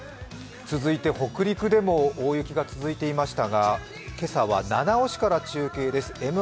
北陸でも大雪が続いていましたが、今朝は七尾市から中継です。